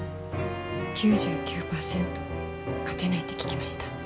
９９％勝てないって聞きました。